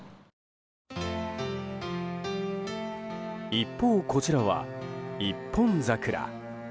一方、こちらは一本桜。